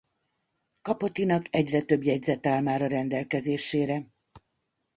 Capote-nak egyre több jegyzet áll már a rendelkezésére.